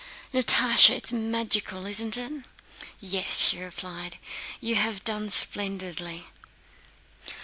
"Natásha, it's magical, isn't it?" "Yes," she replied. "You have done splendidly."